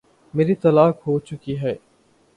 میری طلاق ہو چکی ہے۔